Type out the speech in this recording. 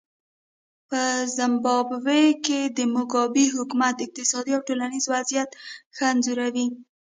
په زیمبابوې کې د موګابي حکومت اقتصادي او ټولنیز وضعیت ښه انځوروي.